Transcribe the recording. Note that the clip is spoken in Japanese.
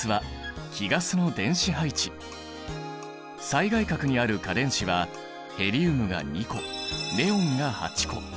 最外殻にある価電子はヘリウムが２個ネオンが８個。